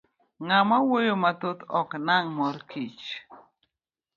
Ng'ama wuoyo mathoth ok nang' mor kich.